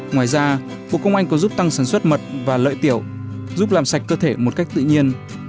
ngoài ra bộ công anh còn giúp tăng sản xuất mật và lợi tiểu giúp làm sạch cơ thể một cách tự nhiên